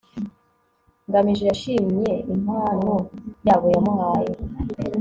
ngamije yashimye impano jabo yamuhaye